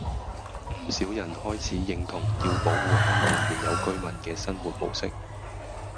唔少人開始認同要保護香港原有居民嘅生活模式